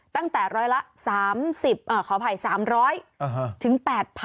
ตั้งแต่ร้อยละ๓๐ขออภัย๓๐๐ถึง๘๐๐